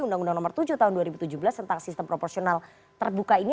undang undang nomor tujuh tahun dua ribu tujuh belas tentang sistem proporsional terbuka ini